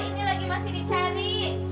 ini lagi masih dicari